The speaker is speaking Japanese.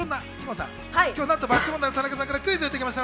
今日はなんと爆笑問題の田中さんからクイズをいただきました。